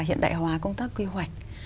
hiện đại hóa công tác quy hoạch